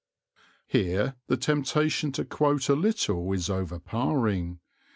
Here the temptation to quote a little is overpowering.